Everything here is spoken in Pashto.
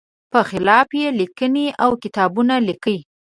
په خلاف یې لیکنې او کتابونه لیکي.